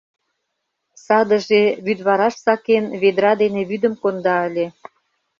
Садыже, вӱдвараш сакен, ведра дене вӱдым конда ыле.